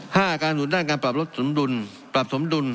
ห้าอาการสนุนด้านการปรับสมดุล